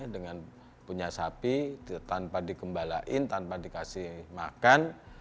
dengan punya sapi tanpa dikembalain tanpa dikasih makan